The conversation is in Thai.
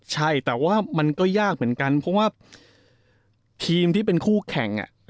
ใช่แต่ว่ามันก็ยากเหมือนกันเพราะว่าทีมที่เป็นคู่แข่ง